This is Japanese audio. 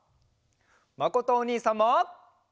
まことおにいさんも！